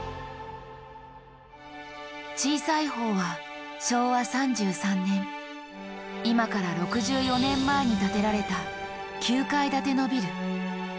小さい方は昭和３３年今から６４年前に建てられた９階建てのビル。